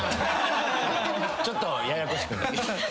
ちょっとややこしく。